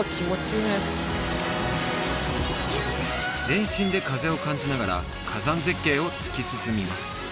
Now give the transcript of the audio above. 全身で風を感じながら火山絶景を突き進みます